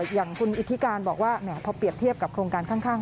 อย่างคุณอิทธิการบอกว่าแหมพอเปรียบเทียบกับโครงการข้าง